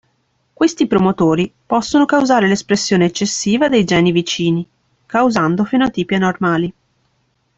Questi promotori possono causare l'espressione eccessiva dei geni vicini, causando fenotipi anormali.